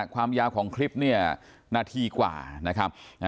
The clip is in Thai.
ความยาวของคลิปเนี่ยนาทีกว่านะครับ